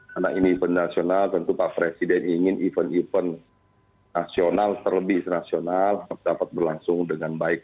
karena ini event nasional tentu pak presiden ingin event event nasional terlebih nasional dapat berlangsung dengan baik